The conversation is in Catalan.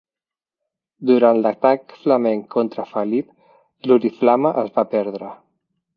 Durant l'atac flamenc contra Felip, l'oriflama es va perdre.